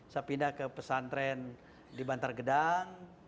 saya pindah ke pesantren di bantar gedang